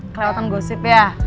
kelewatan gosip ya